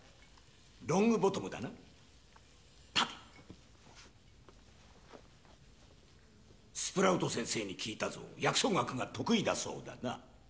ロングボトムだな立てスプラウト先生に聞いたぞ薬草学が得意だそうだな